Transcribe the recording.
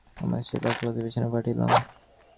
আমার সেই বকুলতলায় বিছানা পাতিলাম।